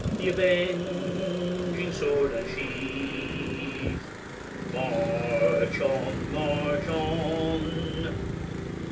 The avenging sword unsheathe; March on ! march on